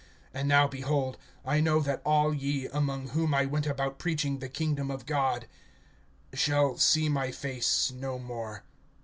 (25)And now, behold, I know that all ye, among whom I went about preaching the kingdom of God, shall see my face no more.